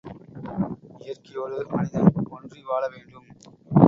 இயற்கையோடு மனிதன் ஒன்றி வாழவேண்டும்.